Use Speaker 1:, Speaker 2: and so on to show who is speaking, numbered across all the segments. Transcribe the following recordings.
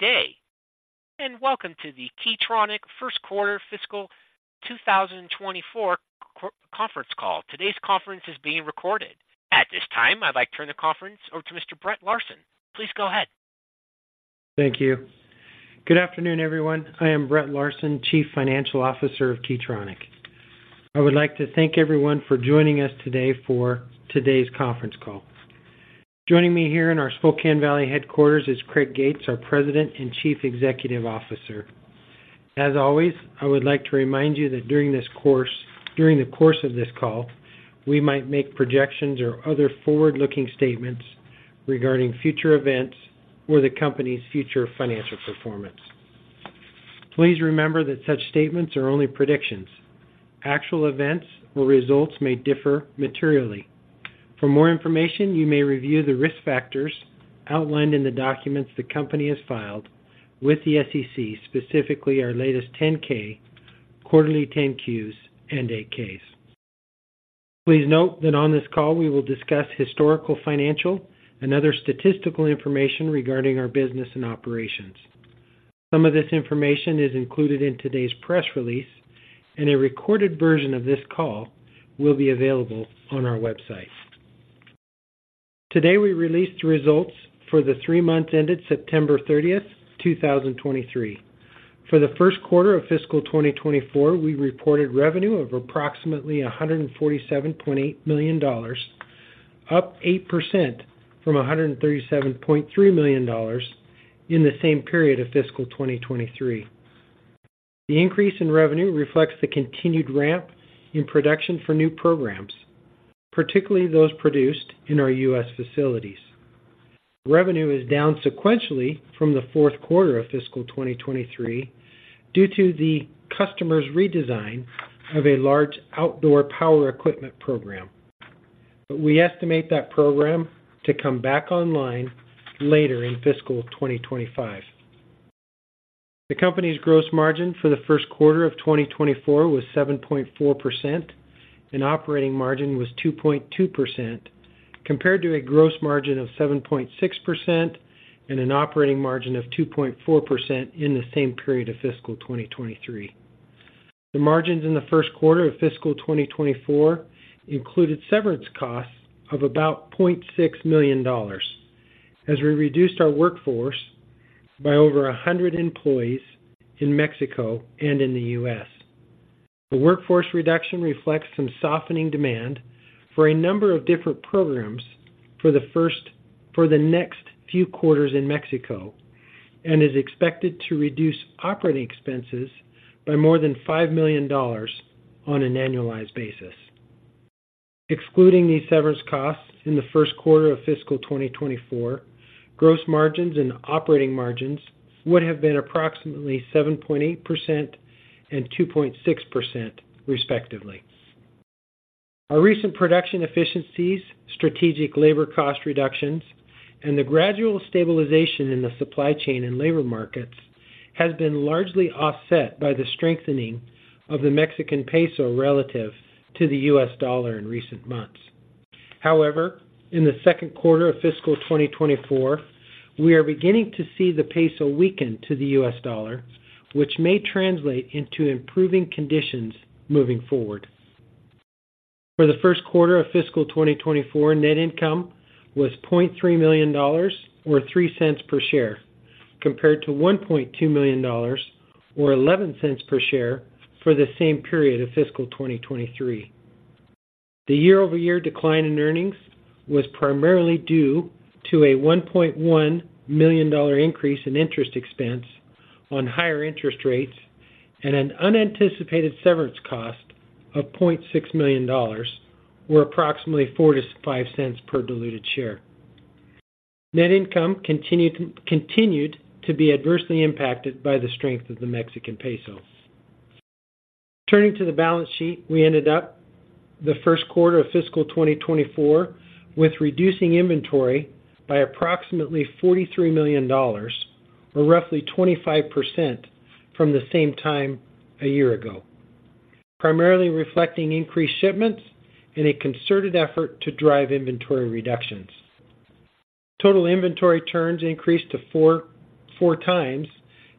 Speaker 1: Good day, and welcome to the Key Tronic first quarter fiscal 2024 conference call. Today's conference is being recorded. At this time, I'd like to turn the conference over to Mr. Brett Larsen. Please go ahead.
Speaker 2: Thank you. Good afternoon, everyone. I am Brett Larsen, Chief Financial Officer of Key Tronic. I would like to thank everyone for joining us today for today's conference call. Joining me here in our Spokane Valley headquarters is Craig Gates, our President and Chief Executive Officer. As always, I would like to remind you that during the course of this call, we might make projections or other forward-looking statements regarding future events or the Company's future financial performance. Please remember that such statements are only predictions. Actual events or results may differ materially. For more information, you may review the risk factors outlined in the documents the company has filed with the SEC, specifically our latest 10-K, quarterly 10-Qs, and 8-Ks. Please note that on this call, we will discuss historical, financial, and other statistical information regarding our business and operations. Some of this information is included in today's press release, and a recorded version of this call will be available on our website. Today, we released results for the three months ended September 30th, 2023. For the first quarter of fiscal 2024, we reported revenue of approximately $147.8 million, up 8% from $137.3 million in the same period of fiscal 2023. The increase in revenue reflects the continued ramp in production for new programs, particularly those produced in our U.S. facilities. Revenue is down sequentially from the fourth quarter of fiscal 2023 due to the customer's redesign of a large outdoor power equipment program. But we estimate that program to come back online later in fiscal 2025. The company's gross margin for the first quarter of 2024 was 7.4%, and operating margin was 2.2%, compared to a gross margin of 7.6% and an operating margin of 2.4% in the same period of fiscal 2023. The margins in the first quarter of fiscal 2024 included severance costs of about $0.6 million as we reduced our workforce by over 100 employees in Mexico and in the U.S. The workforce reduction reflects some softening demand for a number of different programs for the next few quarters in Mexico and is expected to reduce operating expenses by more than $5 million on an annualized basis. Excluding these severance costs in the first quarter of fiscal 2024, gross margins and operating margins would have been approximately 7.8% and 2.6%, respectively. Our recent production efficiencies, strategic labor cost reductions, and the gradual stabilization in the supply chain and labor markets has been largely offset by the strengthening of the Mexican peso relative to the US dollar in recent months. However, in the second quarter of fiscal 2024, we are beginning to see the peso weaken to the US dollar, which may translate into improving conditions moving forward. For the first quarter of fiscal 2024, net income was $0.3 million, or $0.03 per share, compared to $1.2 million, or $0.11 per share, for the same period of fiscal 2023. The year-over-year decline in earnings was primarily due to a $1.1 million increase in interest expense on higher interest rates and an unanticipated severance cost of $0.6 million, or approximately $0.04-$0.05 per diluted share. Net income continued to be adversely impacted by the strength of the Mexican peso. Turning to the balance sheet, we ended up the first quarter of fiscal 2024 with reducing inventory by approximately $43 million, or roughly 25% from the same time a year ago, primarily reflecting increased shipments and a concerted effort to drive inventory reductions. Total inventory turns increased to 4.4x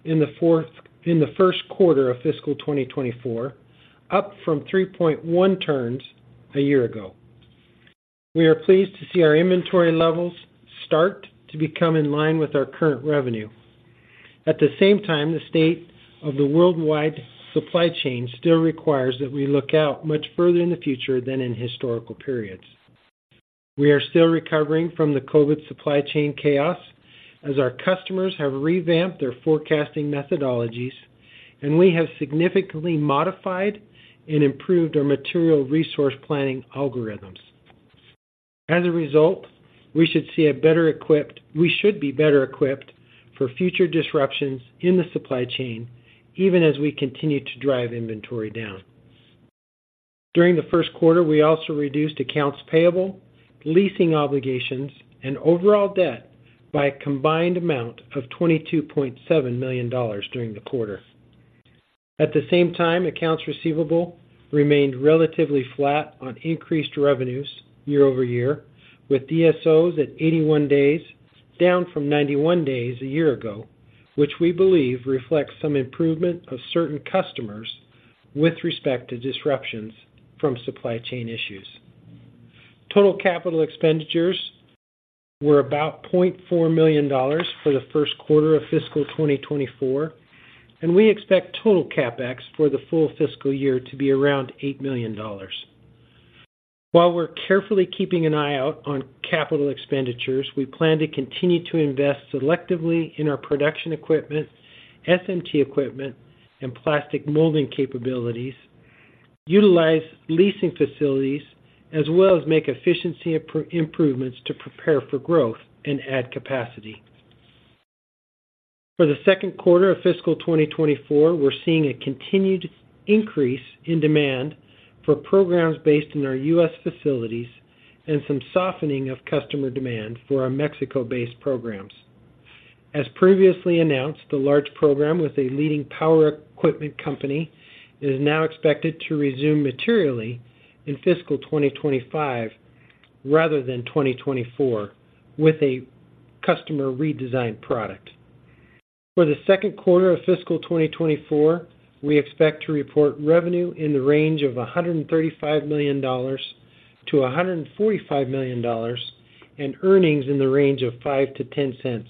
Speaker 2: in the first quarter of fiscal 2024, up from 3.1 turns a year ago. We are pleased to see our inventory levels start to become in line with our current revenue. At the same time, the state of the worldwide supply chain still requires that we look out much further in the future than in historical periods. We are still recovering from the COVID supply chain chaos as our customers have revamped their forecasting methodologies, and we have significantly modified and improved our material resource planning algorithms. As a result, we should be better equipped for future disruptions in the supply chain, even as we continue to drive inventory down. During the first quarter, we also reduced accounts payable, leasing obligations, and overall debt by a combined amount of $22.7 million during the quarter. At the same time, accounts receivable remained relatively flat on increased revenues year-over-year, with DSOs at 81 days, down from 91 days a year ago, which we believe reflects some improvement of certain customers with respect to disruptions from supply chain issues. Total capital expenditures were about $0.4 million for the first quarter of fiscal 2024, and we expect total CapEx for the full fiscal year to be around $8 million. While we're carefully keeping an eye out on capital expenditures, we plan to continue to invest selectively in our production equipment, SMT equipment, and plastic molding capabilities, utilize leasing facilities, as well as make efficiency improvements to prepare for growth and add capacity. For the second quarter of fiscal 2024, we're seeing a continued increase in demand for programs based in our U.S. facilities and some softening of customer demand for our Mexico-based programs. As previously announced, the large program with a leading power equipment company is now expected to resume materially in fiscal 2025 rather than 2024, with a customer redesigned product. For the second quarter of fiscal 2024, we expect to report revenue in the range of $135 million-$145 million, and earnings in the range of $0.05-$0.10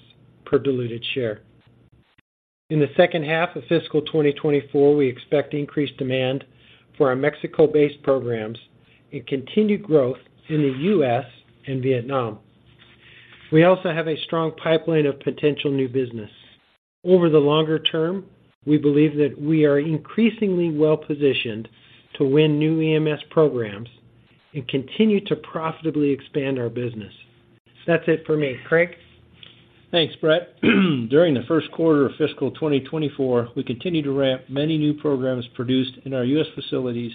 Speaker 2: per diluted share. In the second half of fiscal 2024, we expect increased demand for our Mexico-based programs and continued growth in the U.S. and Vietnam. We also have a strong pipeline of potential new business. Over the longer term, we believe that we are increasingly well-positioned to win new EMS programs and continue to profitably expand our business. That's it for me. Craig?
Speaker 3: Thanks, Brett. During the first quarter of fiscal 2024, we continued to ramp many new programs produced in our U.S. facilities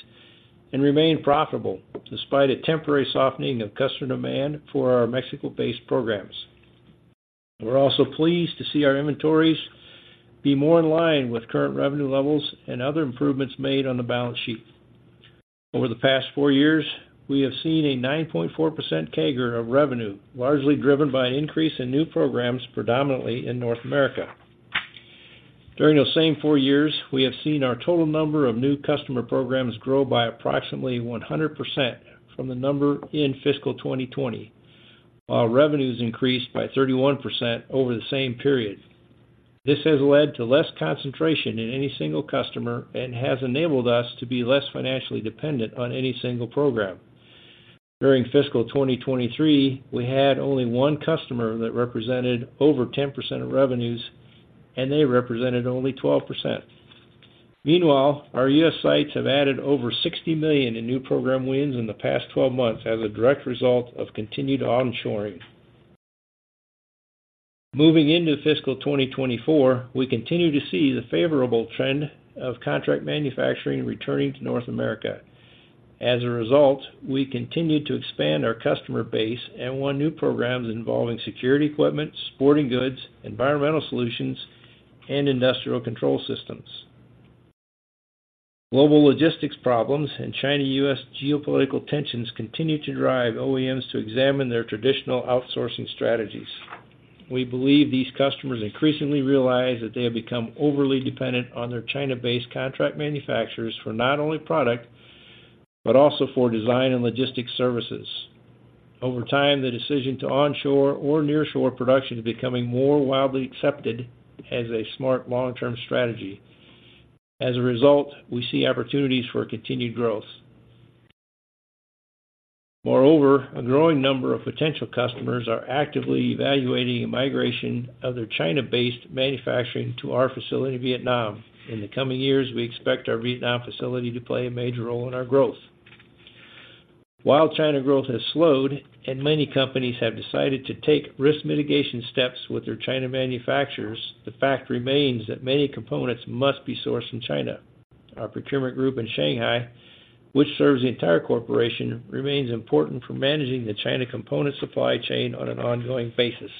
Speaker 3: and remain profitable despite a temporary softening of customer demand for our Mexico-based programs. We're also pleased to see our inventories be more in line with current revenue levels and other improvements made on the balance sheet. Over the past four years, we have seen a 9.4% CAGR of revenue, largely driven by an increase in new programs, predominantly in North America. During those same four years, we have seen our total number of new customer programs grow by approximately 100% from the number in fiscal 2020, while revenues increased by 31% over the same period. This has led to less concentration in any single customer and has enabled us to be less financially dependent on any single program. During fiscal 2023, we had only one customer that represented over 10% of revenues, and they represented only 12%. Meanwhile, our U.S. sites have added over $60 million in new program wins in the past 12 months as a direct result of continued onshoring. Moving into fiscal 2024, we continue to see the favorable trend of contract manufacturing returning to North America. As a result, we continued to expand our customer base and won new programs involving security equipment, sporting goods, environmental solutions, and industrial control systems. Global logistics problems and China-U.S. geopolitical tensions continue to drive OEMs to examine their traditional outsourcing strategies. We believe these customers increasingly realize that they have become overly dependent on their China-based contract manufacturers for not only product, but also for design and logistics services. Over time, the decision to onshore or nearshore production is becoming more widely accepted as a smart long-term strategy. As a result, we see opportunities for continued growth. Moreover, a growing number of potential customers are actively evaluating a migration of their China-based manufacturing to our facility in Vietnam. In the coming years, we expect our Vietnam facility to play a major role in our growth. While China growth has slowed and many companies have decided to take risk mitigation steps with their China manufacturers, the fact remains that many components must be sourced from China. Our procurement group in Shanghai, which serves the entire corporation, remains important for managing the China component supply chain on an ongoing basis.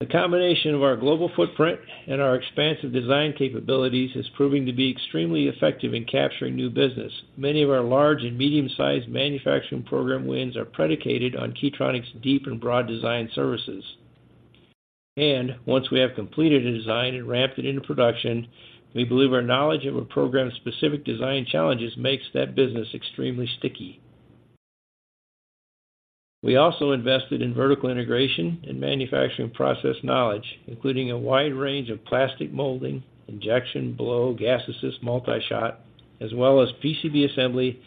Speaker 3: The combination of our global footprint and our expansive design capabilities is proving to be extremely effective in capturing new business. Many of our large and medium-sized manufacturing program wins are predicated on Key Tronic's deep and broad design services. Once we have completed a design and ramped it into production, we believe our knowledge of a program's specific design challenges makes that business extremely sticky. We also invested in vertical integration and manufacturing process knowledge, including a wide range of plastic molding, injection blow, gas-assist multi-shot, as well as PCB assembly,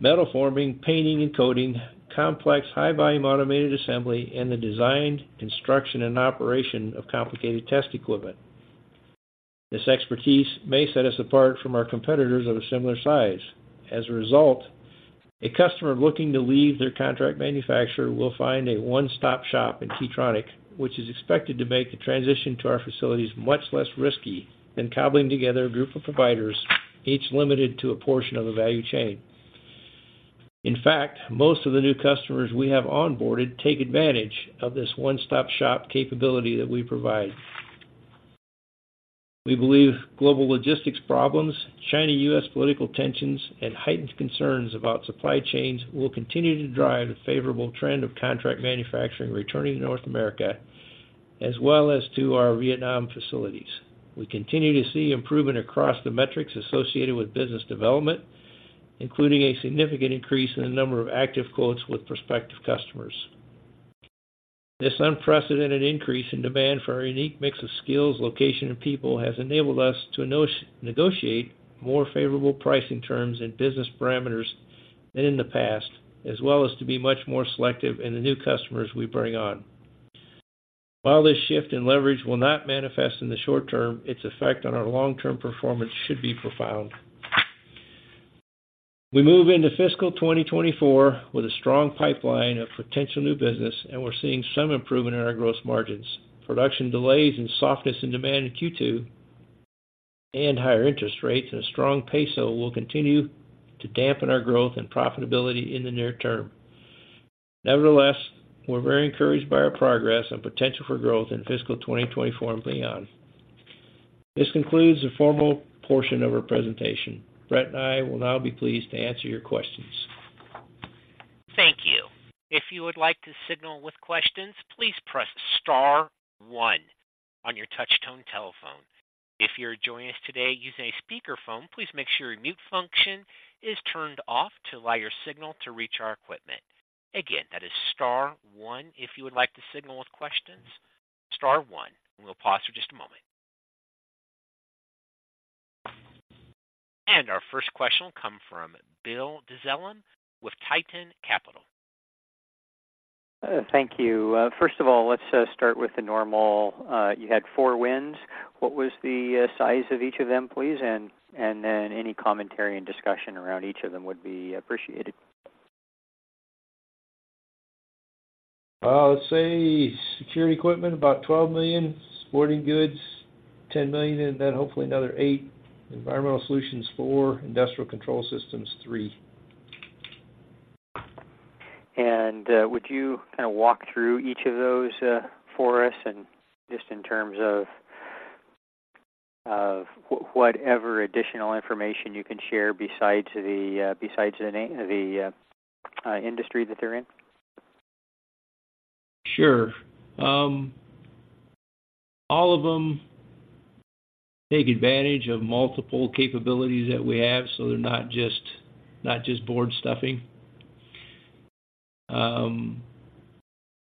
Speaker 3: metal forming, painting and coating, complex high-volume automated assembly, and the design, construction, and operation of complicated test equipment. This expertise may set us apart from our competitors of a similar size. As a result, a customer looking to leave their contract manufacturer will find a one-stop shop in Key Tronic, which is expected to make the transition to our facilities much less risky than cobbling together a group of providers, each limited to a portion of the value chain. In fact, most of the new customers we have onboarded take advantage of this one-stop-shop capability that we provide. We believe global logistics problems, China-U.S. political tensions, and heightened concerns about supply chains will continue to drive the favorable trend of contract manufacturing, returning to North America, as well as to our Vietnam facilities. We continue to see improvement across the metrics associated with business development, including a significant increase in the number of active quotes with prospective customers. This unprecedented increase in demand for our unique mix of skills, location, and people has enabled us to negotiate more favorable pricing terms and business parameters than in the past, as well as to be much more selective in the new customers we bring on. While this shift in leverage will not manifest in the short term, its effect on our long-term performance should be profound. We move into fiscal 2024 with a strong pipeline of potential new business, and we're seeing some improvement in our gross margins. Production delays and softness in demand in Q2 and higher interest rates and a strong peso will continue to dampen our growth and profitability in the near term. Nevertheless, we're very encouraged by our progress and potential for growth in fiscal 2024 and beyond. This concludes the formal portion of our presentation. Brett and I will now be pleased to answer your questions.
Speaker 1: Thank you. If you would like to signal with questions, please press star one on your touch-tone telephone. If you're joining us today using a speakerphone, please make sure your mute function is turned off to allow your signal to reach our equipment. Again, that is star one if you would like to signal with questions, star one, and we'll pause for just a moment. Our first question will come from Bill Dezellem with Tieton Capital.
Speaker 4: Thank you. First of all, let's start with the normal. You had four wins. What was the size of each of them, please? And then any commentary and discussion around each of them would be appreciated.
Speaker 3: Let's say security equipment, about $12 million, sporting goods, $10 million, and then hopefully another $8 million, environmental solutions, $4 million, industrial control systems, $3 million.
Speaker 4: And, would you kind of walk through each of those for us, and just in terms of whatever additional information you can share besides the name, the industry that they're in?
Speaker 3: Sure. All of them take advantage of multiple capabilities that we have, so they're not just, not just board stuffing.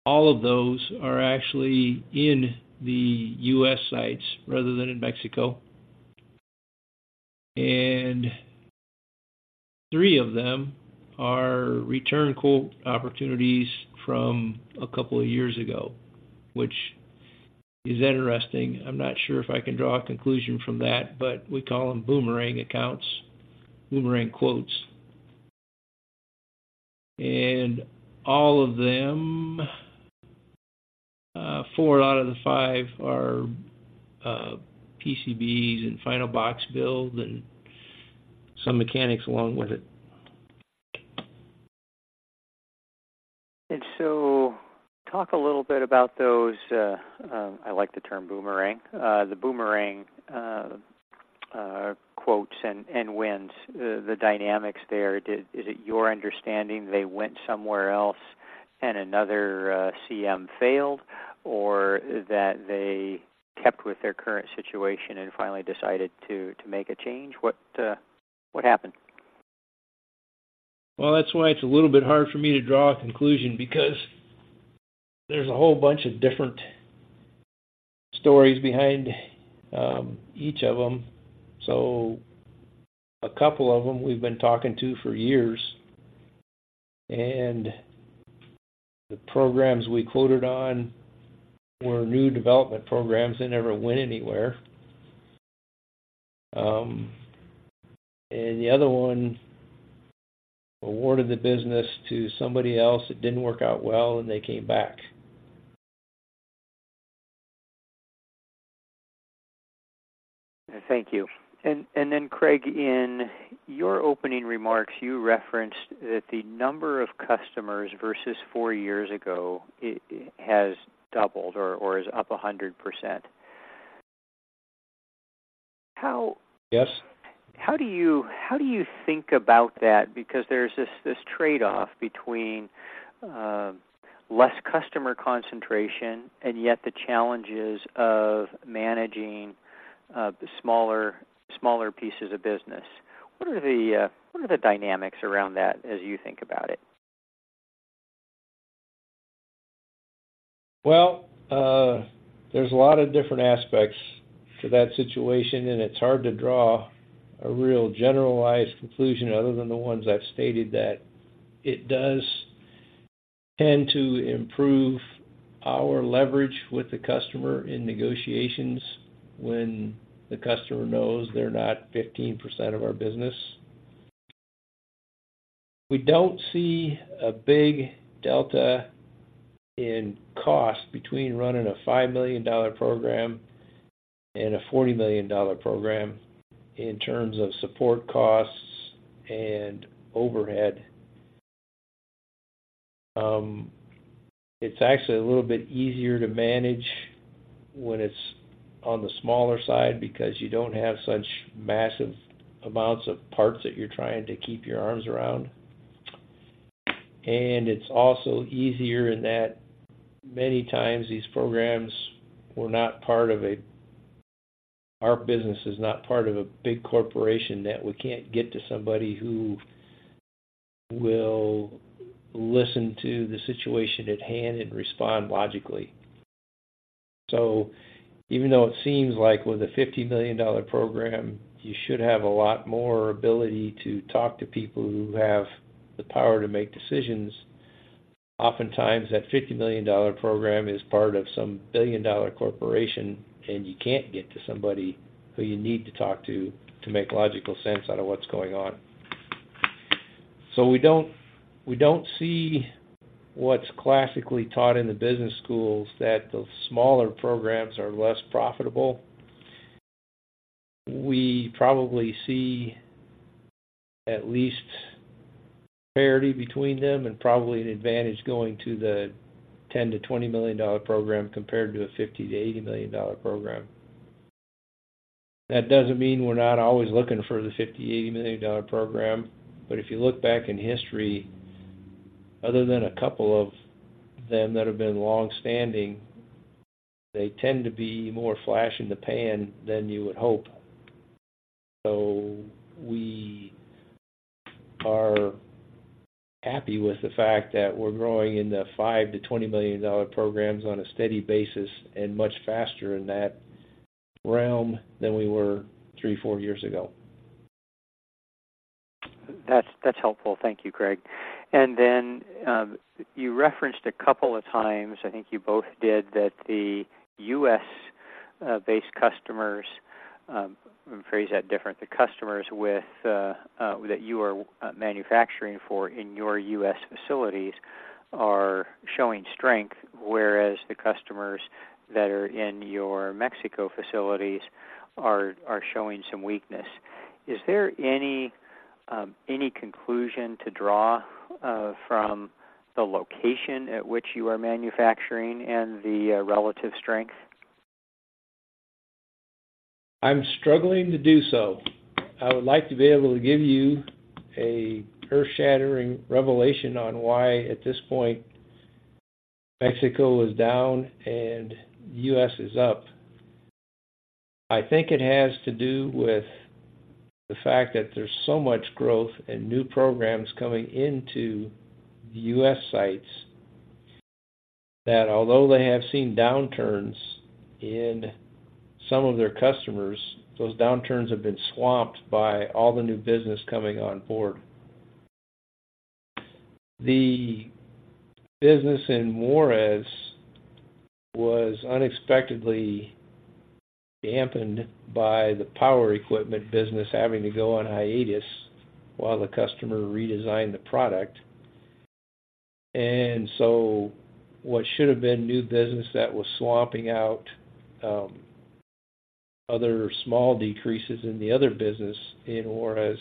Speaker 3: All of those are actually in the U.S. sites rather than in Mexico, and three of them are return quote opportunities from a couple of years ago, which is interesting. I'm not sure if I can draw a conclusion from that, but we call them boomerang accounts, boomerang quotes. And all of them, four out of the five are PCBs and final box build and some mechanics along with it.
Speaker 4: And so talk a little bit about those. I like the term boomerang. The boomerang quotes and wins, the dynamics there. Is it your understanding they went somewhere else and another CM failed, or that they kept with their current situation and finally decided to make a change? What happened?
Speaker 3: Well, that's why it's a little bit hard for me to draw a conclusion, because there's a whole bunch of different stories behind each of them. So a couple of them we've been talking to for years, and the programs we quoted on were new development programs that never went anywhere. And the other one awarded the business to somebody else. It didn't work out well, and they came back.
Speaker 4: Thank you. Then, Craig, in your opening remarks, you referenced that the number of customers versus four years ago, it has doubled or is up 100%. How-
Speaker 3: Yes.
Speaker 4: How do you think about that? Because there's this trade-off between less customer concentration and yet the challenges of managing the smaller pieces of business. What are the dynamics around that, as you think about it?
Speaker 3: Well, there's a lot of different aspects to that situation, and it's hard to draw a real generalized conclusion other than the ones I've stated, that it does tend to improve our leverage with the customer in negotiations when the customer knows they're not 15% of our business. We don't see a big delta in cost between running a $5 million program and a $40 million program, in terms of support costs and overhead. It's actually a little bit easier to manage when it's on the smaller side because you don't have such massive amounts of parts that you're trying to keep your arms around. It's also easier in that many times these programs were not part of a big corporation, that we can't get to somebody who will listen to the situation at hand and respond logically. So even though it seems like with a $50 million program, you should have a lot more ability to talk to people who have the power to make decisions, oftentimes that $50 million program is part of some billion-dollar corporation, and you can't get to somebody who you need to talk to, to make logical sense out of what's going on. So we don't, we don't see what's classically taught in the business schools, that the smaller programs are less profitable. We probably see at least parity between them, and probably an advantage going to the $10-$20 million program compared to a $50-$80 million program. That doesn't mean we're not always looking for the $50-$80 million program, but if you look back in history, other than a couple of them that have been long-standing, they tend to be more flash in the pan than you would hope. So we are happy with the fact that we're growing in the $5- $20 million programs on a steady basis and much faster in that realm than we were 3-4 years ago.
Speaker 4: That's, that's helpful. Thank you, Craig. And then, you referenced a couple of times, I think you both did, that the U.S. based customers, let me phrase that different. The customers with, that you are, manufacturing for in your U.S. facilities are showing strength, whereas the customers that are in your Mexico facilities are, are showing some weakness. Is there any, any conclusion to draw, from the location at which you are manufacturing and the, relative strength?
Speaker 3: I'm struggling to do so. I would like to be able to give you an earth-shattering revelation on why, at this point, Mexico is down and U.S. is up. I think it has to do with the fact that there's so much growth and new programs coming into the U.S. sites, that although they have seen downturns in some of their customers, those downturns have been swamped by all the new business coming on board. The business in Juárez was unexpectedly dampened by the power equipment business having to go on hiatus while the customer redesigned the product. And so what should have been new business that was swamping out, other small decreases in the other business in Juárez,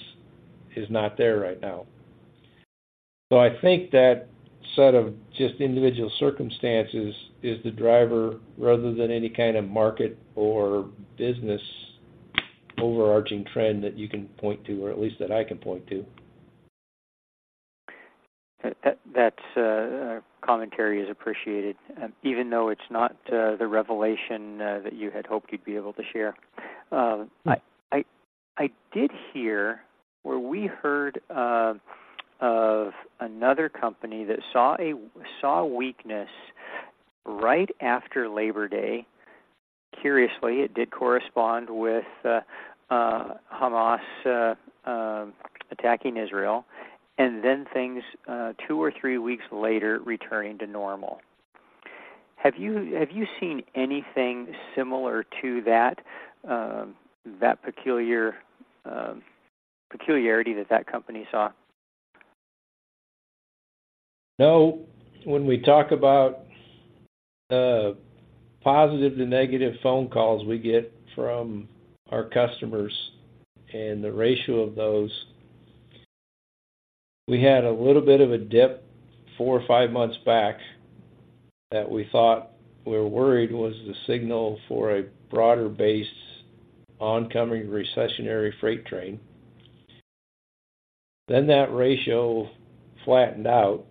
Speaker 3: is not there right now. I think that set of just individual circumstances is the driver rather than any kind of market or business overarching trend that you can point to, or at least that I can point to.
Speaker 4: That commentary is appreciated, even though it's not the revelation that you had hoped you'd be able to share. I did hear, or we heard, of another company that saw weakness right after Labor Day. Curiously, it did correspond with Hamas attacking Israel, and then things two or three weeks later returning to normal. Have you seen anything similar to that peculiarity that that company saw?
Speaker 3: No. When we talk about the positive to negative phone calls we get from our customers and the ratio of those, we had a little bit of a dip four or five months back that we thought we were worried was the signal for a broader-based, oncoming recessionary freight train. Then that ratio flattened out,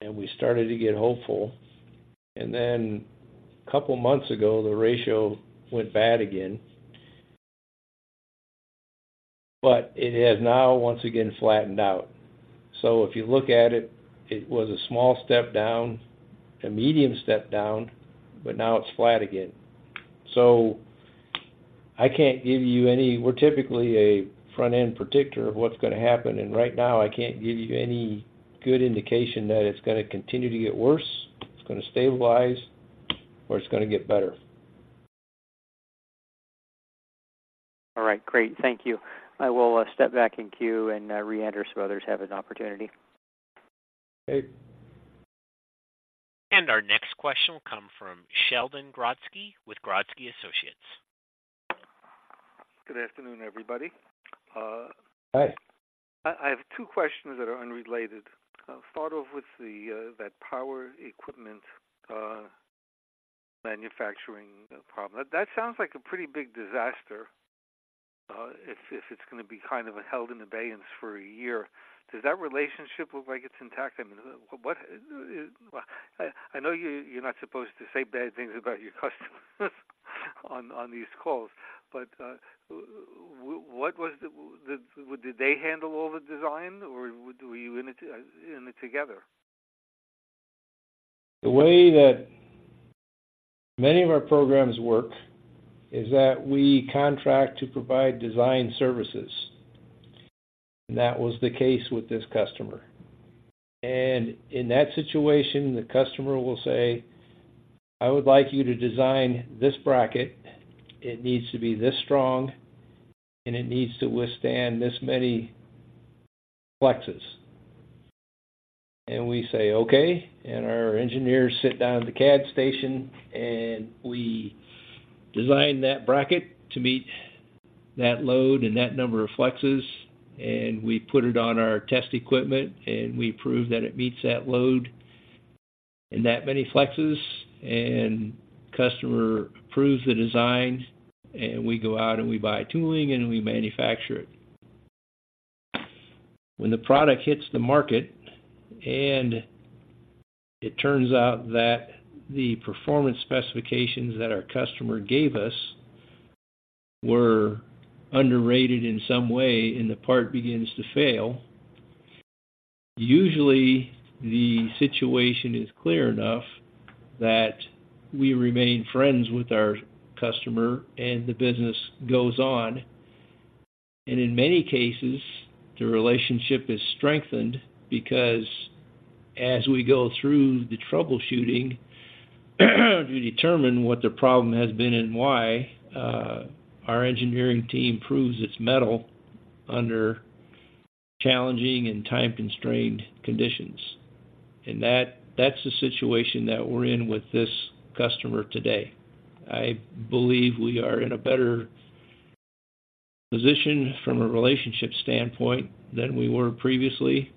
Speaker 3: and we started to get hopeful. And then a couple months ago, the ratio went bad again, but it has now once again flattened out. So if you look at it, it was a small step down, a medium step down, but now it's flat again. So I can't give you any... We're typically a front-end predictor of what's going to happen, and right now, I can't give you any good indication that it's going to continue to get worse, it's going to stabilize, or it's going to get better....
Speaker 4: All right, great. Thank you. I will step back in queue and re-enter, so others have an opportunity.
Speaker 3: Okay.
Speaker 1: Our next question will come from Sheldon Grodsky with Grodsky Associates.
Speaker 5: Good afternoon, everybody.
Speaker 3: Hi.
Speaker 5: I have two questions that are unrelated. Start off with that power equipment manufacturing problem. That sounds like a pretty big disaster if it's gonna be kind of held in abeyance for a year. Does that relationship with bracket intact? I mean, what. I know you, you're not supposed to say bad things about your customers on these calls, but did they handle all the design, or were you in it together?
Speaker 3: The way that many of our programs work is that we contract to provide design services, and that was the case with this customer. In that situation, the customer will say, "I would like you to design this bracket. It needs to be this strong, and it needs to withstand this many flexes." We say, "Okay." Our engineers sit down at the CAD station, and we design that bracket to meet that load and that number of flexes, and we put it on our test equipment, and we prove that it meets that load and that many flexes, and customer approves the design, and we go out and we buy tooling, and we manufacture it. When the product hits the market, and it turns out that the performance specifications that our customer gave us were underrated in some way, and the part begins to fail, usually the situation is clear enough that we remain friends with our customer, and the business goes on. And in many cases, the relationship is strengthened because as we go through the troubleshooting, to determine what the problem has been and why, our engineering team proves its mettle under challenging and time-constrained conditions. And that, that's the situation that we're in with this customer today. I believe we are in a better position from a relationship standpoint than we were previously,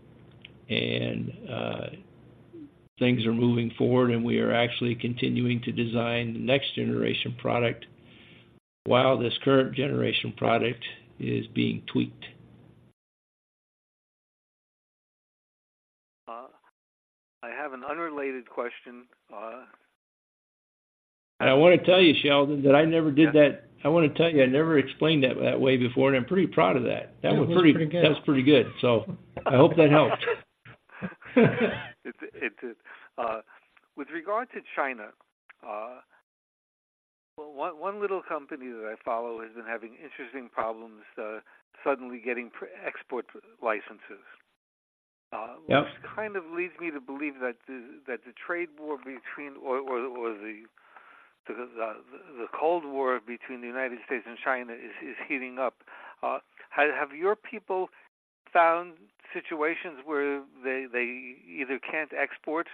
Speaker 3: and, things are moving forward, and we are actually continuing to design the next generation product while this current generation product is being tweaked.
Speaker 5: I have an unrelated question.
Speaker 3: I want to tell you, Sheldon, that I never did that-
Speaker 5: Yeah.
Speaker 3: I want to tell you, I never explained that that way before, and I'm pretty proud of that.
Speaker 5: Yeah, it was pretty good.
Speaker 3: That was pretty, that was pretty good. So I hope that helps.
Speaker 5: It's with regard to China, one little company that I follow has been having interesting problems suddenly getting export licenses-
Speaker 3: Yep.
Speaker 5: Which kind of leads me to believe that the trade war or the Cold War between the United States and China is heating up. Have your people found situations where they either can't export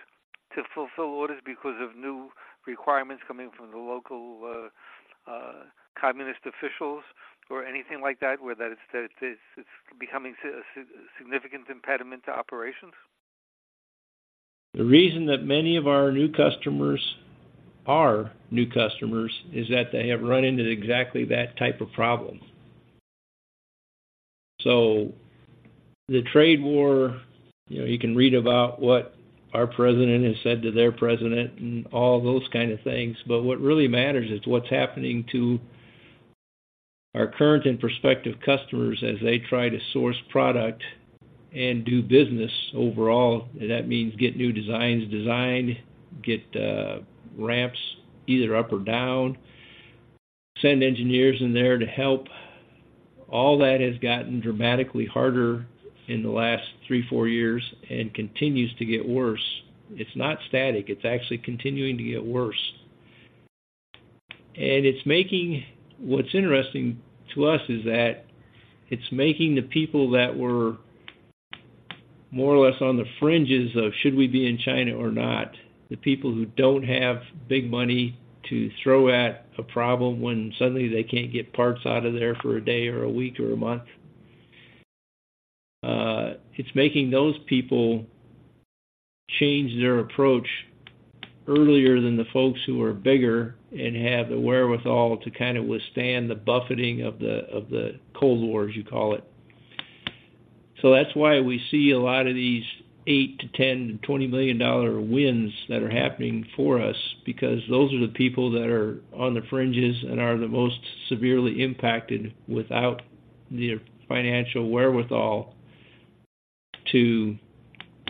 Speaker 5: to fulfill orders because of new requirements coming from the local communist officials or anything like that, where that it's becoming a significant impediment to operations?
Speaker 3: The reason that many of our new customers are new customers is that they have run into exactly that type of problem. So the trade war, you know, you can read about what our president has said to their president and all those kind of things, but what really matters is what's happening to our current and prospective customers as they try to source product and do business overall. That means get new designs designed, get ramps either up or down, send engineers in there to help. All that has gotten dramatically harder in the last three, four years and continues to get worse. It's not static. It's actually continuing to get worse. And it's making... What's interesting to us is that it's making the people that were more or less on the fringes of, "Should we be in China or not?" The people who don't have big money to throw at a problem when suddenly they can't get parts out of there for a day, or a week, or a month. It's making those people change their approach earlier than the folks who are bigger and have the wherewithal to kind of withstand the buffeting of the, of the Cold War, as you call it. So that's why we see a lot of these $8-$10, $20 million wins that are happening for us, because those are the people that are on the fringes and are the most severely impacted without the financial wherewithal to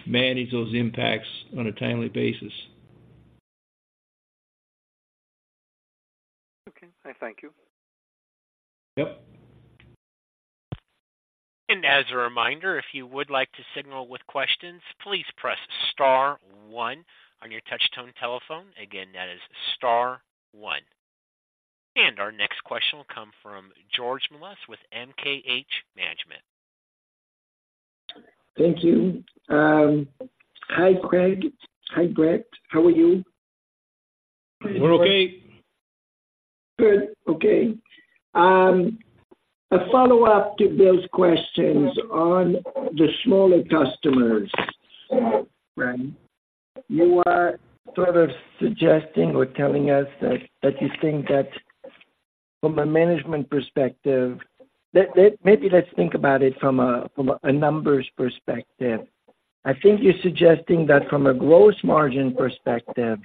Speaker 3: manage those impacts on a timely basis.
Speaker 5: Okay. I thank you.
Speaker 3: Yep. ...
Speaker 1: And as a reminder, if you would like to signal with questions, please press star one on your touchtone telephone. Again, that is star one. And our next question will come from George Melas with MKH Management.
Speaker 6: Thank you. Hi, Craig. Hi, Brett. How are you?
Speaker 3: We're okay.
Speaker 6: Good. Okay. A follow-up to Bill's questions on the smaller customers. You are sort of suggesting or telling us that you think that from a management perspective... That—maybe let's think about it from a numbers perspective. I think you're suggesting that from a gross margin perspective,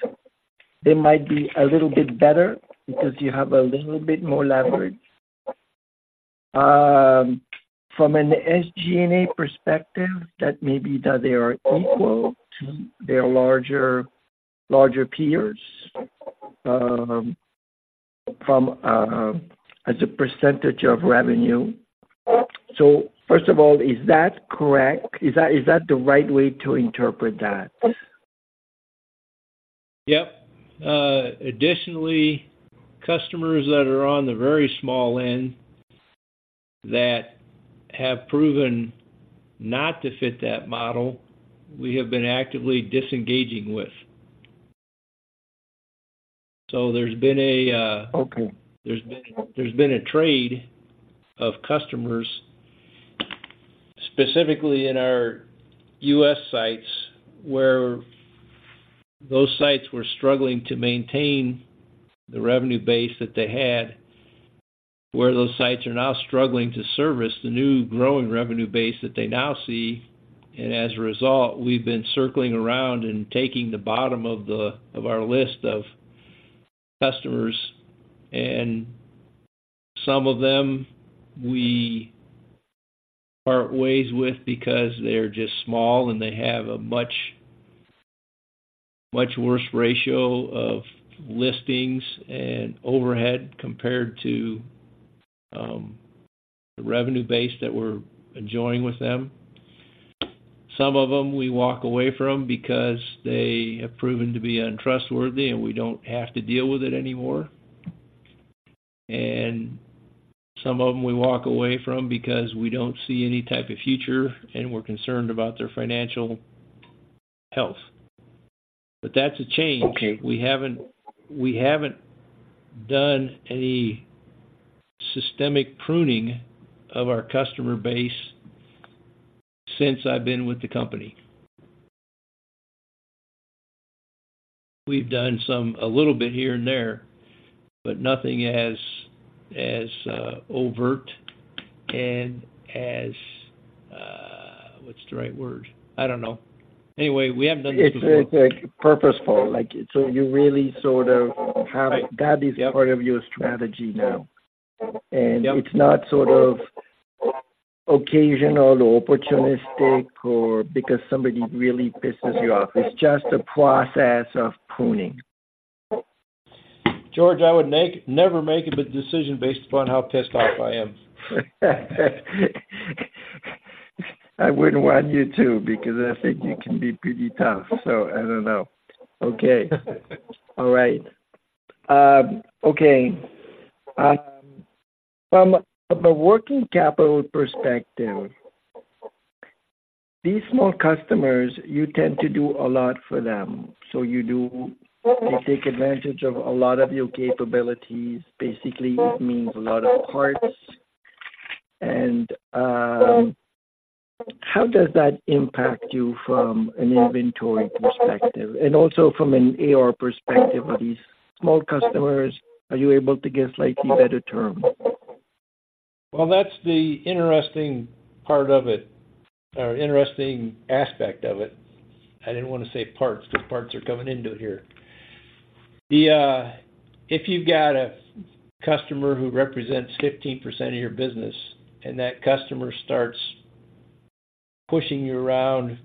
Speaker 6: they might be a little bit better because you have a little bit more leverage. From an SG&A perspective, maybe they are equal to their larger peers as a percentage of revenue. So first of all, is that correct? Is that the right way to interpret that?
Speaker 3: Yep. Additionally, customers that are on the very small end that have proven not to fit that model, we have been actively disengaging with. So there's been a,
Speaker 6: Okay.
Speaker 3: There's been a trade of customers, specifically in our U.S. sites, where those sites were struggling to maintain the revenue base that they had, where those sites are now struggling to service the new growing revenue base that they now see. And as a result, we've been circling around and taking the bottom of our list of customers, and some of them we part ways with because they're just small, and they have a much, much worse ratio of listings and overhead compared to the revenue base that we're enjoying with them. Some of them we walk away from because they have proven to be untrustworthy, and we don't have to deal with it anymore. And some of them we walk away from because we don't see any type of future, and we're concerned about their financial health. But that's a change.
Speaker 6: Okay.
Speaker 3: We haven't done any systemic pruning of our customer base since I've been with the company. We've done some a little bit here and there, but nothing as overt and as... What's the right word? I don't know. Anyway, we haven't done this before.
Speaker 6: It's purposeful. Like, so you really sort of have-
Speaker 3: Right. Yep.
Speaker 6: That is part of your strategy now.
Speaker 3: Yep.
Speaker 6: It's not sort of occasional or opportunistic or because somebody really pisses you off. It's just a process of pruning.
Speaker 3: George, I would never make a decision based upon how pissed off I am.
Speaker 6: I wouldn't want you to, because I think you can be pretty tough, so I don't know. Okay. All right. From a working capital perspective, these small customers, you tend to do a lot for them. They take advantage of a lot of your capabilities. Basically, it means a lot of parts. And, how does that impact you from an inventory perspective and also from an AR perspective of these small customers? Are you able to get slightly better terms?
Speaker 3: Well, that's the interesting part of it, or interesting aspect of it. I didn't want to say parts, because parts are coming into it here. The... If you've got a customer who represents 15% of your business, and that customer starts pushing you around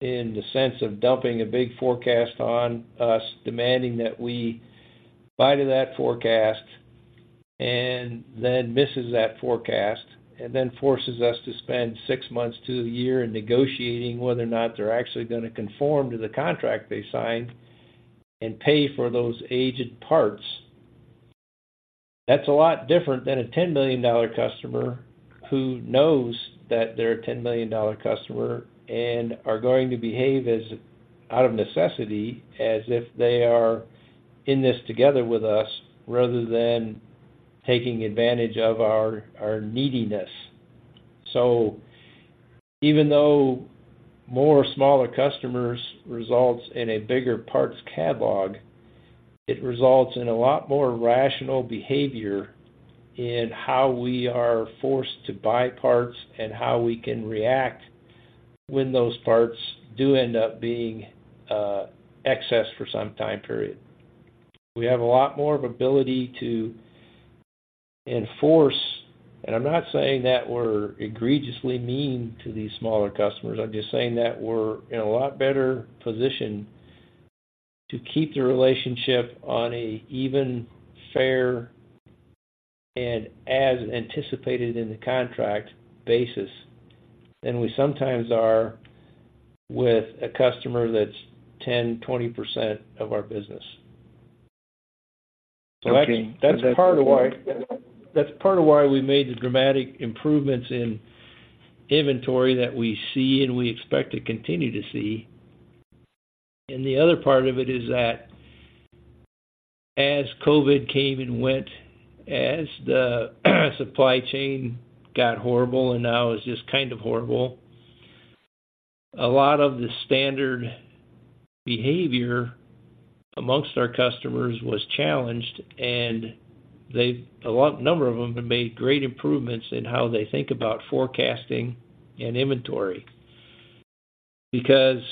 Speaker 3: in the sense of dumping a big forecast on us, demanding that we buy to that forecast, and then misses that forecast, and then forces us to spend six months to a year in negotiating whether or not they're actually going to conform to the contract they signed and pay for those aged parts, that's a lot different than a $10 million customer who knows that they're a $10 million customer and are going to behave as, out of necessity, as if they are in this together with us, rather than taking advantage of our, our neediness. So even though more smaller customers results in a bigger parts catalog, it results in a lot more rational behavior in how we are forced to buy parts and how we can react when those parts do end up being excess for some time period. We have a lot more of ability to enforce, and I'm not saying that we're egregiously mean to these smaller customers. I'm just saying that we're in a lot better position to keep the relationship on a even fair and as anticipated in the contract basis, than we sometimes are with a customer that's 10%, 20% of our business.
Speaker 6: Okay.
Speaker 3: So that's part of why we made the dramatic improvements in inventory that we see and we expect to continue to see. And the other part of it is that as COVID came and went, as the supply chain got horrible, and now is just kind of horrible, a lot of the standard behavior among our customers was challenged, and a lot of them have made great improvements in how they think about forecasting and inventory. Because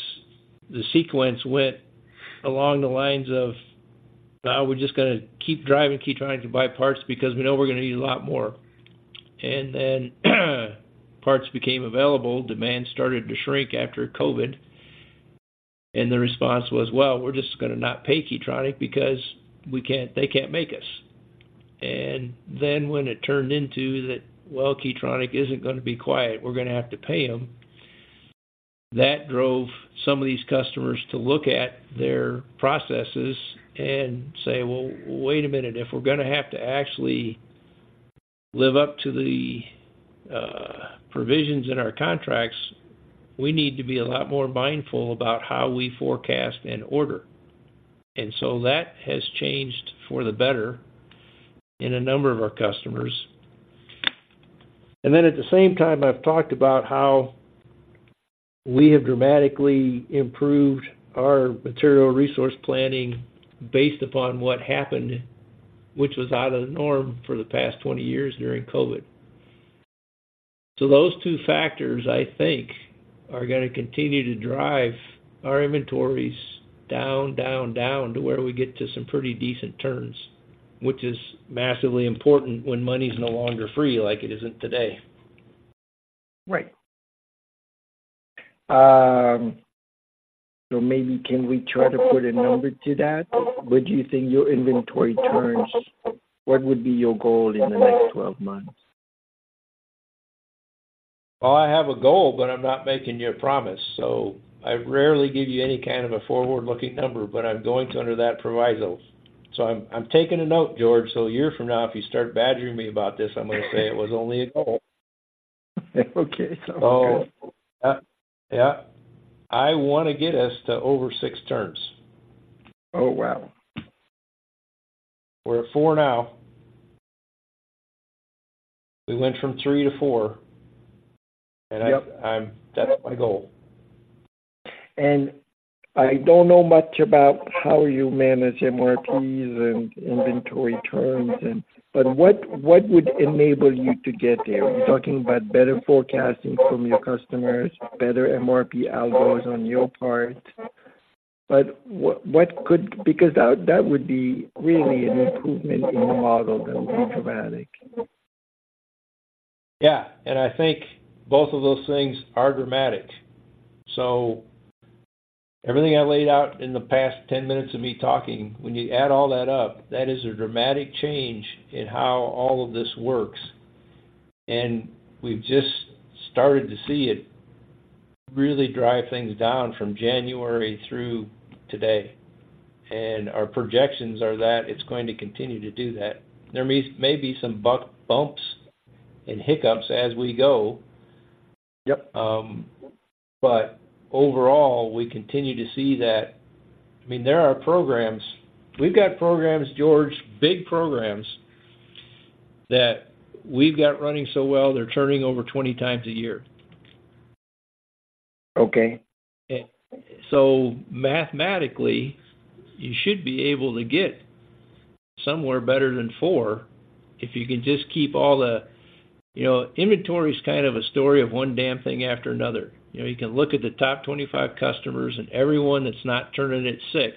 Speaker 3: the sequence went along the lines of, "Now we're just going to keep driving, keep trying to buy parts because we know we're going to need a lot more." And then, parts became available, demand started to shrink after COVID, and the response was: "Well, we're just going to not pay Key Tronic because we can't, they can't make us." And then when it turned into that, "Well, Key Tronic isn't going to be quiet, we're going to have to pay them," that drove some of these customers to look at their processes and say: "Well, wait a minute. If we're going to have to actually live up to the provisions in our contracts, we need to be a lot more mindful about how we forecast and order." And so that has changed for the better in a number of our customers. And then at the same time, I've talked about how we have dramatically improved our material resource planning based upon what happened, which was out of the norm for the past 20 years during COVID. So those two factors, I think, are going to continue to drive our inventories down, down, down to where we get to some pretty decent turns, which is massively important when money's no longer free, like it isn't today.
Speaker 6: Right. So maybe can we try to put a number to that? What do you think your inventory turns, what would be your goal in the next 12 months?
Speaker 3: Well, I have a goal, but I'm not making you a promise, so I rarely give you any kind of a forward-looking number, but I'm going to under that proviso. So I'm, I'm taking a note, George. So a year from now, if you start badgering me about this, I'm going to say it was only a goal.
Speaker 6: Okay, sounds good.
Speaker 3: So, yeah. I want to get us to over six turns.
Speaker 6: Oh, wow!
Speaker 3: We're at four now. We went from 3-4
Speaker 6: Yep.
Speaker 3: That's my goal.
Speaker 6: I don't know much about how you manage MRPs and inventory turns and… What, what would enable you to get there? You're talking about better forecasting from your customers, better MRP algos on your part, but what, what could, because that, that would be really an improvement in the model that would be dramatic.
Speaker 3: Yeah, and I think both of those things are dramatic. So everything I laid out in the past 10 minutes of me talking, when you add all that up, that is a dramatic change in how all of this works. And we've just started to see it really drive things down from January through today, and our projections are that it's going to continue to do that. There may be some bumps and hiccups as we go.
Speaker 6: Yep.
Speaker 3: But overall, we continue to see that... I mean, there are programs. We've got programs, George, big programs, that we've got running so well, they're turning over 20x a year.
Speaker 6: Okay.
Speaker 3: So mathematically, you should be able to get somewhere better than four if you can just keep all the... You know, inventory is kind of a story of one damn thing after another. You know, you can look at the top 25 customers and everyone that's not turning at six,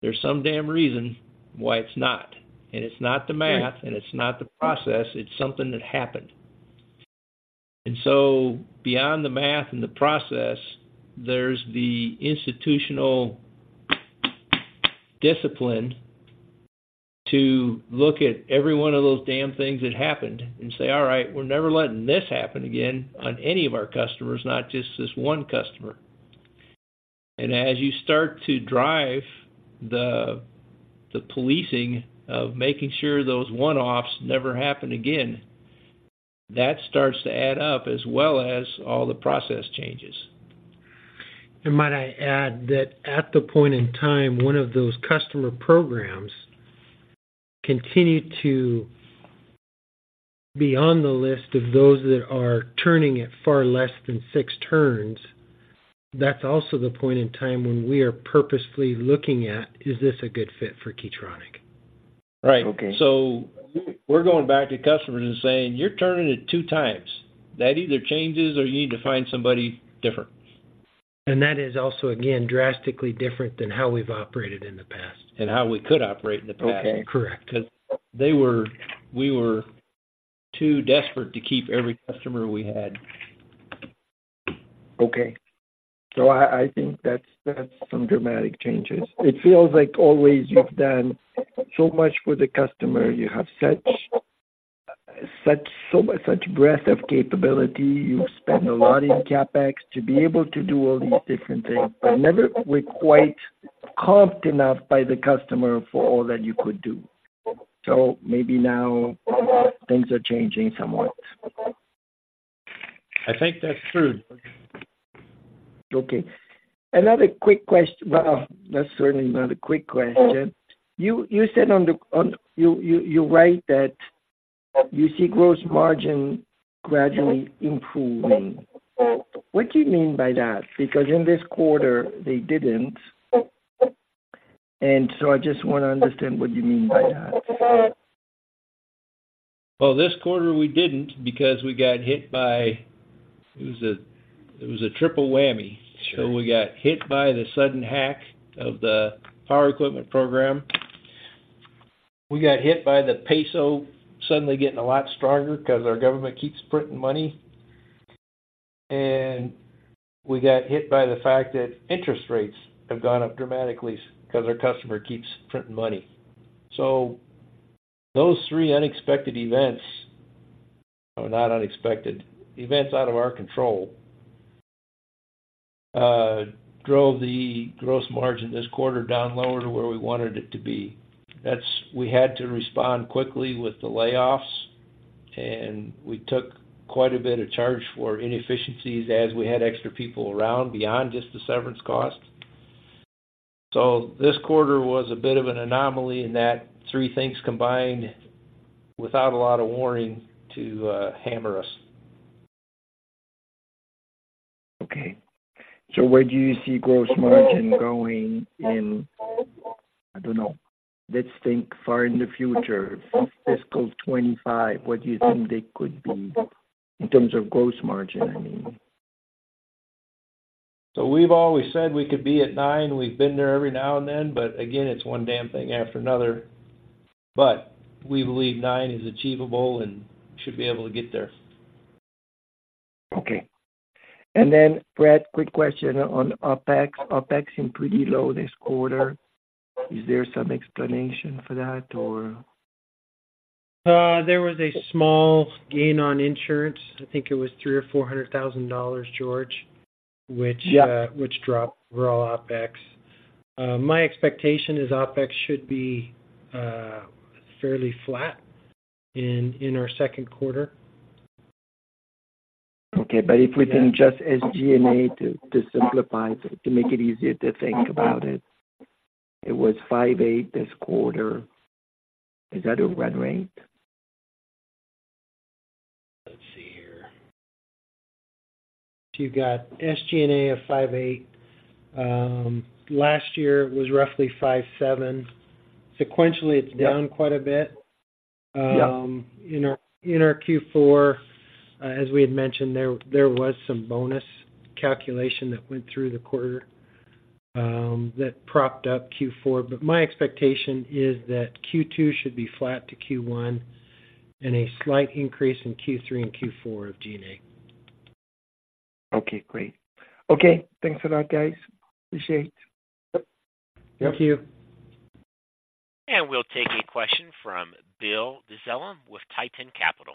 Speaker 3: there's some damn reason why it's not. And it's not the math-
Speaker 6: Sure.
Speaker 3: And it's not the process, it's something that happened. And so beyond the math and the process, there's the institutional discipline to look at every one of those damn things that happened and say, "All right, we're never letting this happen again on any of our customers, not just this one customer." And as you start to drive the policing of making sure those one-offs never happen again, that starts to add up, as well as all the process changes.
Speaker 2: Might I add that at the point in time, one of those customer programs continued to be on the list of those that are turning at far less than six turns. That's also the point in time when we are purposefully looking at: Is this a good fit for Key Tronic?
Speaker 3: Right.
Speaker 6: Okay.
Speaker 3: So we're going back to customers and saying, "You're turning it 2x. That either changes or you need to find somebody different.
Speaker 2: That is also, again, drastically different than how we've operated in the past.
Speaker 3: How we could operate in the past.
Speaker 6: Okay.
Speaker 2: Correct.
Speaker 3: Because we were too desperate to keep every customer we had.
Speaker 6: Okay. So I think that's some dramatic changes. It feels like always you've done so much for the customer. You have so much breadth of capability. You've spent a lot in CapEx to be able to do all these different things, but never were quite comped enough by the customer for all that you could do. So maybe now things are changing somewhat.
Speaker 3: I think that's true.
Speaker 6: Okay. Another quick question. Well, that's certainly not a quick question. You said you write that you see gross margin gradually improving. What do you mean by that? Because in this quarter, they didn't. So I just want to understand what you mean by that.
Speaker 3: Well, this quarter we didn't because we got hit by... It was a triple whammy.
Speaker 6: Sure.
Speaker 3: So we got hit by the sudden hack of the power equipment program. We got hit by the peso suddenly getting a lot stronger because our government keeps printing money, and we got hit by the fact that interest rates have gone up dramatically because our customer keeps printing money. So those three unexpected events, or not unexpected, events out of our control drove the gross margin this quarter down lower to where we wanted it to be. That's. We had to respond quickly with the layoffs, and we took quite a bit of charge for inefficiencies as we had extra people around, beyond just the severance cost. So this quarter was a bit of an anomaly in that three things combined, without a lot of warning, to hammer us.
Speaker 6: Okay. So where do you see gross margin going in, I don't know, let's think far in the future, fiscal 2025, what do you think they could be in terms of gross margin, I mean?
Speaker 3: We've always said we could be at nine. We've been there every now and then, but again, it's one damn thing after another. But we believe nine is achievable and should be able to get there.
Speaker 6: Okay. And then, Brett, quick question on OpEx. OpEx is pretty low this quarter. Is there some explanation for that, or?
Speaker 2: There was a small gain on insurance. I think it was $300,000-$400,000, George-
Speaker 6: Yeah.
Speaker 2: which dropped raw OpEx. My expectation is OpEx should be fairly flat in our second quarter.
Speaker 6: Okay, but if we can just SG&A to simplify, to make it easier to think about it, it was 5.8 this quarter. Is that a run rate?
Speaker 2: Let's see here. You've got SG&A of 5.8. Last year was roughly 5.7. Sequentially, it's down quite a bit.
Speaker 6: Yeah.
Speaker 2: In our Q4, as we had mentioned, there was some bonus calculation that went through the quarter that propped up Q4. But my expectation is that Q2 should be flat to Q1, and a slight increase in Q3 and Q4 of G&A.
Speaker 6: Okay, great. Okay, thanks a lot, guys. Appreciate it.
Speaker 2: Yep.
Speaker 3: Thank you.
Speaker 1: We'll take a question from Bill Dezellem with Tieton Capital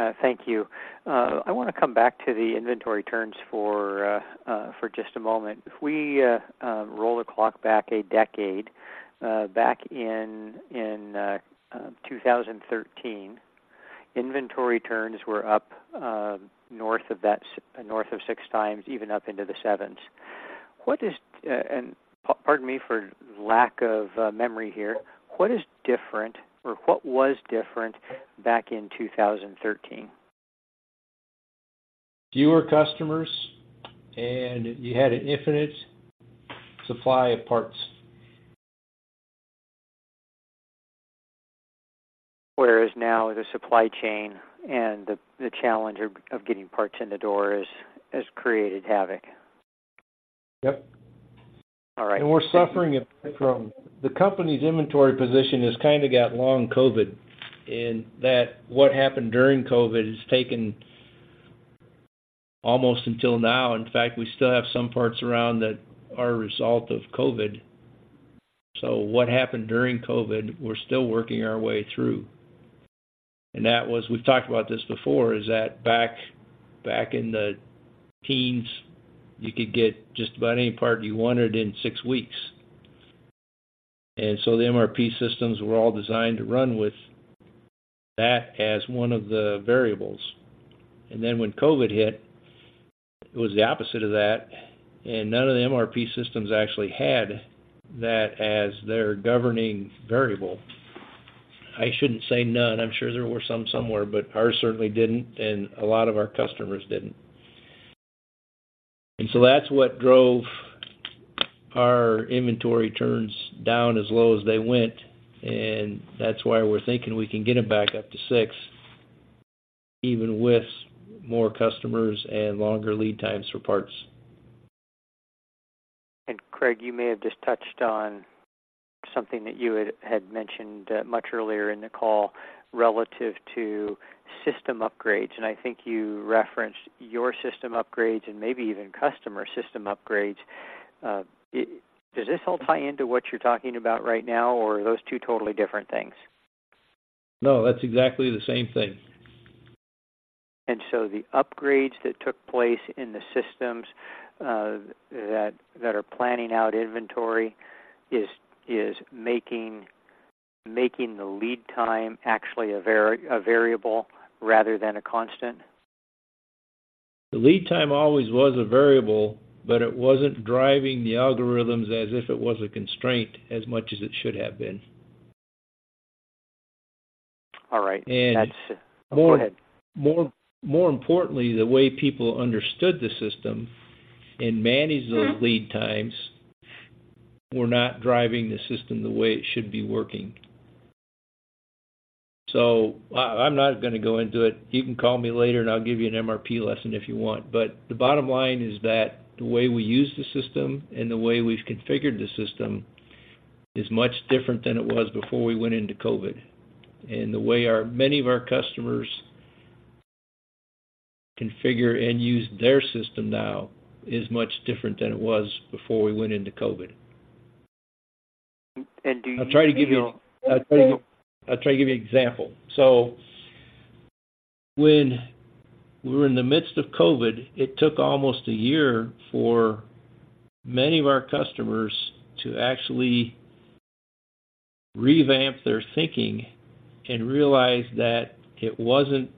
Speaker 1: Management.
Speaker 4: Thank you. I want to come back to the inventory turns for just a moment. If we roll the clock back a decade, back in 2013, inventory turns were up north of that, north of 6x, even up into the sevens. What is... and, pardon me for lack of memory here. What is different or what was different back in 2013?
Speaker 3: Fewer customers, and you had an infinite supply of parts.
Speaker 4: Whereas now, the supply chain and the challenge of getting parts in the door has created havoc.
Speaker 3: Yep.
Speaker 4: All right.
Speaker 3: And we're suffering it from... The company's inventory position has kind of got long COVID, in that what happened during COVID has taken almost until now. In fact, we still have some parts around that are a result of COVID. So what happened during COVID, we're still working our way through. And that was, we've talked about this before, is that back, back in the teens, you could get just about any part you wanted in six weeks. And so the MRP systems were all designed to run with that as one of the variables. And then when COVID hit, it was the opposite of that, and none of the MRP systems actually had that as their governing variable. I shouldn't say none. I'm sure there were some somewhere, but ours certainly didn't, and a lot of our customers didn't. And so that's what drove our inventory turns down as low as they went, and that's why we're thinking we can get them back up to six, even with more customers and longer lead times for parts....
Speaker 4: And Craig, you may have just touched on something that you had mentioned much earlier in the call relative to system upgrades, and I think you referenced your system upgrades and maybe even customer system upgrades. Does this all tie into what you're talking about right now, or are those two totally different things?
Speaker 3: No, that's exactly the same thing.
Speaker 4: And so the upgrades that took place in the systems that are planning out inventory is making the lead time actually a variable rather than a constant?
Speaker 3: The lead time always was a variable, but it wasn't driving the algorithms as if it was a constraint as much as it should have been.
Speaker 4: All right.
Speaker 3: And-
Speaker 4: That's... Go ahead.
Speaker 3: More, more, more importantly, the way people understood the system and managed those lead times were not driving the system the way it should be working. So I, I'm not going to go into it. You can call me later, and I'll give you an MRP lesson if you want. But the bottom line is that the way we use the system and the way we've configured the system is much different than it was before we went into COVID. And the way our, many of our customers configure and use their system now is much different than it was before we went into COVID.
Speaker 4: And do you-
Speaker 3: I'll try to give you an example. So when we were in the midst of COVID, it took almost a year for many of our customers to actually revamp their thinking and realize that it wasn't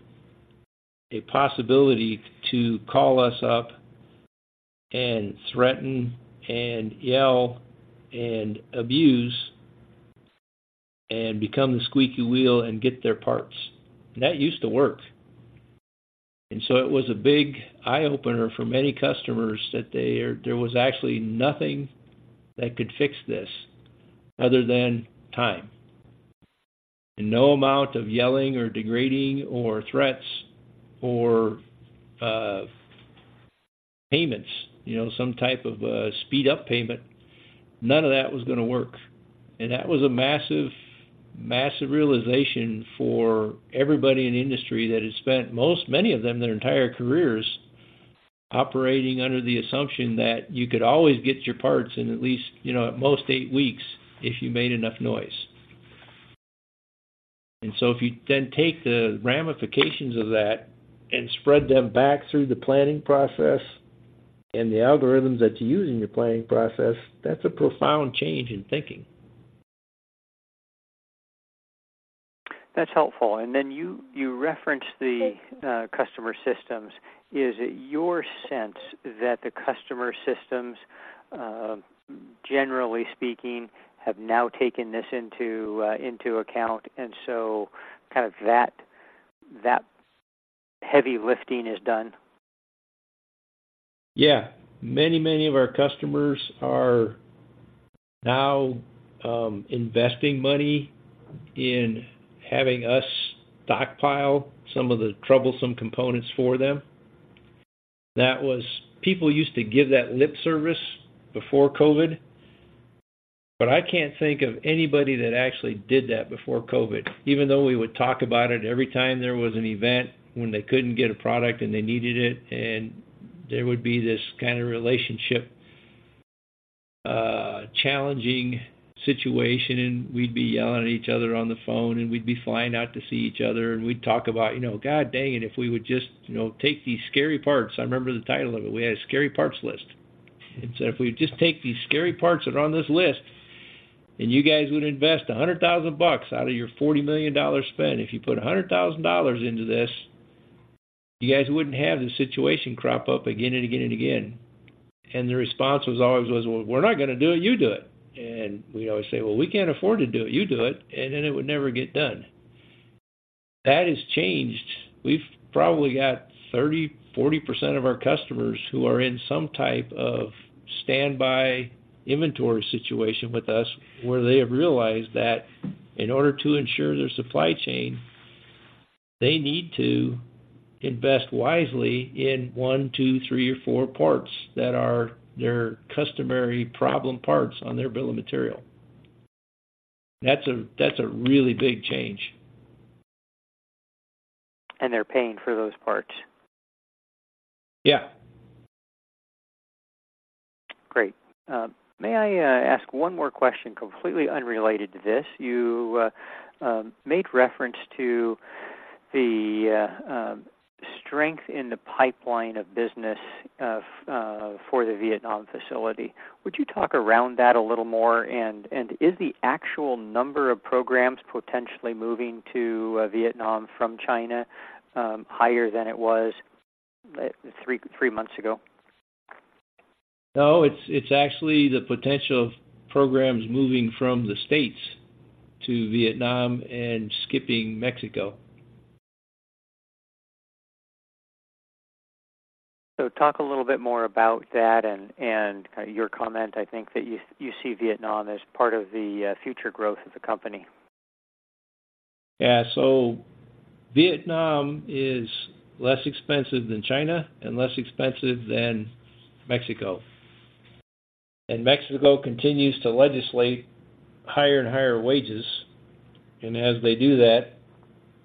Speaker 3: a possibility to call us up and threaten and yell and abuse, and become the squeaky wheel and get their parts. That used to work. And so it was a big eye-opener for many customers that there was actually nothing that could fix this other than time. And no amount of yelling or degrading or threats or payments, you know, some type of speed-up payment, none of that was going to work. And that was a massive, massive realization for everybody in the industry that had spent most, many of them, their entire careers operating under the assumption that you could always get your parts in at least, you know, at most eight weeks, if you made enough noise. And so if you then take the ramifications of that and spread them back through the planning process and the algorithms that you use in your planning process, that's a profound change in thinking.
Speaker 4: That's helpful. And then you, you referenced the, customer systems. Is it your sense that the customer systems, generally speaking, have now taken this into, into account, and so kind of that, that heavy lifting is done?
Speaker 3: Yeah. Many, many of our customers are now investing money in having us stockpile some of the troublesome components for them. That was... People used to give that lip service before COVID, but I can't think of anybody that actually did that before COVID. Even though we would talk about it every time there was an event when they couldn't get a product and they needed it, and there would be this kind of relationship, challenging situation, and we'd be yelling at each other on the phone, and we'd be flying out to see each other, and we'd talk about, "You know, God dang it, if we would just, you know, take these scary parts," I remember the title of it. We had a scary parts list. If we just take these scary parts that are on this list, and you guys would invest $100,000 out of your $40 million spend, if you put $100,000 into this, you guys wouldn't have this situation crop up again and again and again. The response was always: "Well, we're not going to do it. You do it." We always say, "Well, we can't afford to do it. You do it." Then it would never get done. That has changed. We've probably got 30%-40% of our customers who are in some type of standby inventory situation with us, where they have realized that in order to ensure their supply chain, they need to invest wisely in one, two, three, or four parts that are their customary problem parts on their bill of material. That's a really big change.
Speaker 4: They're paying for those parts?
Speaker 3: Yeah.
Speaker 4: Great. May I ask one more question, completely unrelated to this? You made reference to the strength in the pipeline of business for the Vietnam facility. Would you talk around that a little more? And is the actual number of programs potentially moving to Vietnam from China higher than it was three months ago?
Speaker 3: No, it's actually the potential of programs moving from the States to Vietnam and skipping Mexico.
Speaker 4: So talk a little bit more about that and your comment, I think, that you see Vietnam as part of the future growth of the company....
Speaker 3: Yeah, so Vietnam is less expensive than China and less expensive than Mexico. And Mexico continues to legislate higher and higher wages, and as they do that,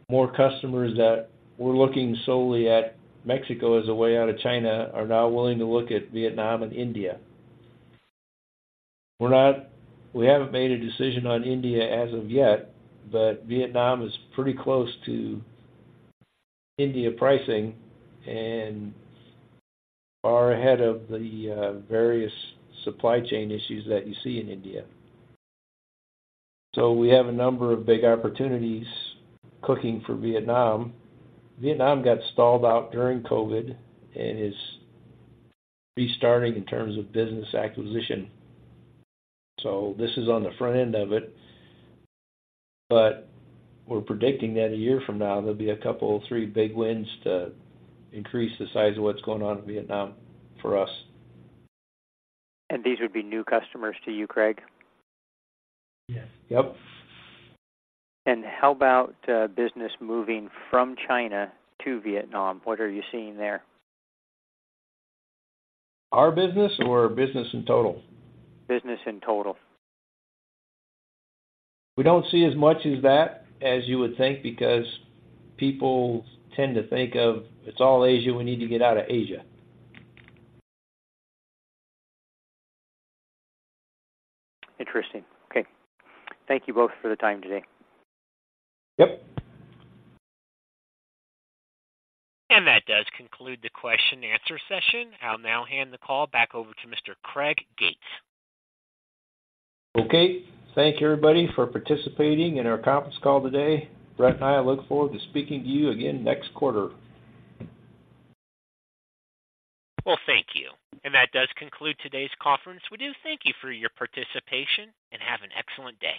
Speaker 3: more customers that were looking solely at Mexico as a way out of China are now willing to look at Vietnam and India. We haven't made a decision on India as of yet, but Vietnam is pretty close to India pricing and far ahead of the various supply chain issues that you see in India. So we have a number of big opportunities cooking for Vietnam. Vietnam got stalled out during COVID and is restarting in terms of business acquisition, so this is on the front end of it. But we're predicting that a year from now, there'll be a couple, three big wins to increase the size of what's going on in Vietnam for us.
Speaker 4: These would be new customers to you, Craig?
Speaker 3: Yes. Yep.
Speaker 4: How about business moving from China to Vietnam? What are you seeing there?
Speaker 3: Our business or business in total?
Speaker 4: Business in total.
Speaker 3: We don't see as much as that as you would think, because people tend to think of, "It's all Asia. We need to get out of Asia.
Speaker 4: Interesting. Okay. Thank you both for the time today.
Speaker 3: Yep.
Speaker 1: That does conclude the question and answer session. I'll now hand the call back over to Mr. Craig Gates.
Speaker 3: Okay. Thank you, everybody, for participating in our conference call today. Brett and I look forward to speaking to you again next quarter.
Speaker 1: Well, thank you. That does conclude today's conference. We do thank you for your participation, and have an excellent day.